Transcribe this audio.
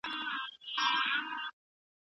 مانا ورکه ده او ګونګه فلسفه ده